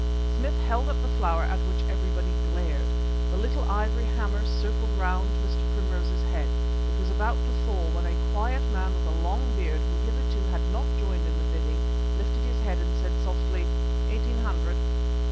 Smith held up the flower at which everybody glared. The little ivory hammer circled round Mr. Primrose's head. It was about to fall, when a quiet man with a long beard who hitherto had not joined in the bidding, lifted his head and said softly: "Eighteen hundred."